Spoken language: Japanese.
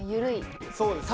そうですね。